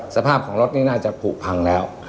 สภาพของรถนี่น่าจะผูกพังแล้ว